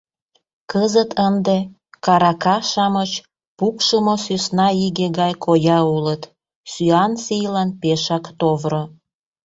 Кызыт ынде карака-шамыч пукшымо сӧсна иге гай коя улыт: сӱан сийлан пешак товро.